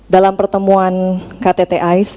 dalam pertemuan ktt ais